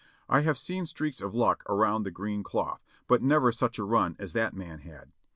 I have seen streaks of luck around the green cloth, but never such a run as that man had.